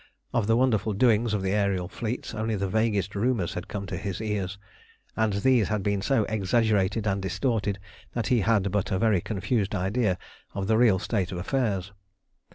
Of the wonderful doings of the aërial fleets only the vaguest rumours had come to his ears, and these had been so exaggerated and distorted, that he had but a very confused idea of the real state of affairs.